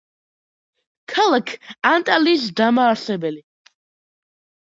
ქალაქ ანტალიის დამაარსებელი.